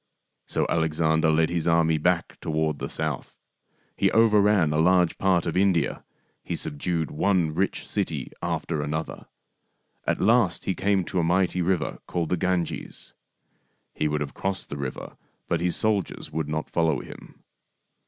So Alexander led his army back toward the south. He overran a large part of India. He subdued one rich city after another. At last he came to a mighty river called the Ganges. He would have cpssed the river, but his soldiers would not follow him.